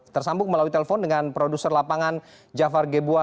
tersambung melalui telepon dengan produser lapangan jafar gebua